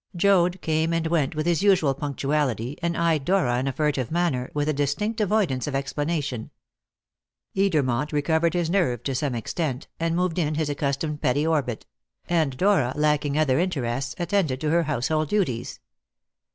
Joad came and went with his usual punctuality, and eyed Dora in a furtive manner, with a distinct avoidance of explanation. Edermont recovered his nerve to some extent, and moved in his accustomed petty orbit; and Dora, lacking other interests, attended to her household duties.